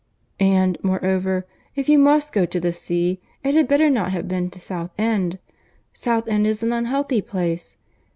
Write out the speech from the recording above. "And, moreover, if you must go to the sea, it had better not have been to South End. South End is an unhealthy place.